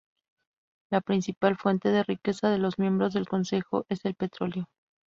La principal fuente de riqueza de los miembros del consejo es el petróleo.